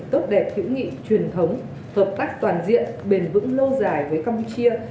tốt đẹp hữu nghị truyền thống hợp tác toàn diện bền vững lâu dài với campuchia